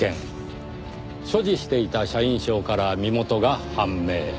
所持していた社員証から身元が判明。